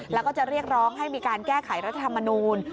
แล้วก็จะเรียกร้องให้มีการแก้ไขรัฐธรรมนูล